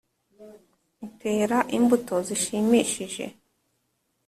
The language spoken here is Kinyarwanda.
ukera imbuto zishimishije.